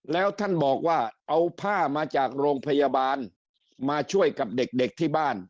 แล้วท่านบอกว่าเอาผ้ามาจากโรงพยาบาลมาช่วยกับเด็กที่บ้าน